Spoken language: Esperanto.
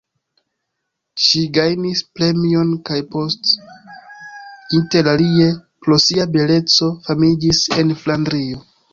Ŝi gajnis premion kaj post, inter alie pro sia beleco, famiĝis en Flandrio.